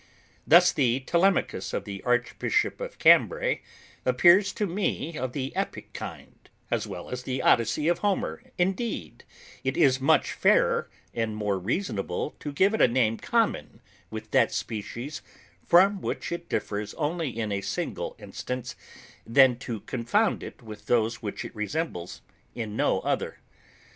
Thus the Telemachus of the archbishop of Cambray appears to me of the epic kind, as well as the Odyssey of Homer; indeed, it is much fairer and more reasonable to give it a name common with that species from which it differs only in a single instance, than to confound it with those which it resembles in no other.